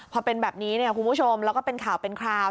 พอเป็นแบบนี้เนี่ยคุณผู้ชมแล้วก็เป็นข่าวเป็นคราว